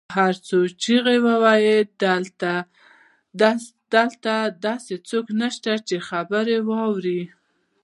که هر څو چیغې وهي داسې څوک نشته، چې د ده خبره واوري